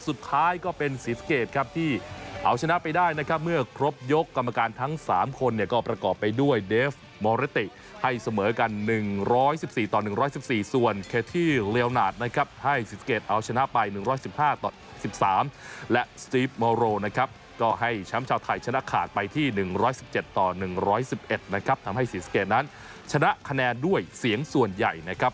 สุดท้ายก็เป็นศรีสะเกดครับที่เอาชนะไปได้นะครับเมื่อครบยกกรรมการทั้ง๓คนเนี่ยก็ประกอบไปด้วยเดฟมอเรติให้เสมอกัน๑๑๔ต่อ๑๑๔ส่วนเคที่เรียวหนาดนะครับให้ศรีสะเกดเอาชนะไป๑๑๕๑๓และสตรีฟมอโรนะครับก็ให้แชมป์ชาวไทยชนะขาดไปที่๑๑๗ต่อ๑๑๑นะครับทำให้ศรีสะเกดนั้นชนะคะแนนด้วยเสียงส่วนใหญ่นะครับ